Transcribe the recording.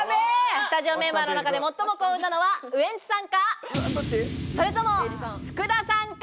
スタジオメンバーの中で、最も幸運なのはウエンツさんか、それとも福田さんか？